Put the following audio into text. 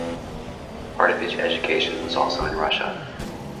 Part of his education was also in Russia.